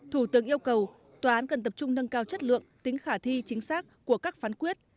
thủ tướng yêu cầu tòa án cần tập trung nâng cao chất lượng tính khả thi chính xác của các phán quyết